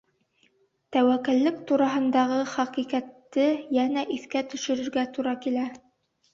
Тәүәккәллек тураһындағы хәҡиҡәтте йәнә иҫкә төшөрөргә тура килә.